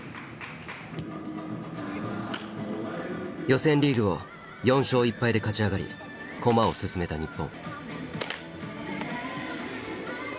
予選リーグを４勝１敗で勝ち上がり駒を進めた日本。